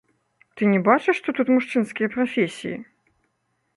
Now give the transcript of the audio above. Ты не бачыш, што тут мужчынскія прафесіі?